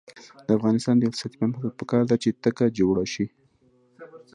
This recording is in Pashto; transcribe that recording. د افغانستان د اقتصادي پرمختګ لپاره پکار ده چې تکه جوړه شي.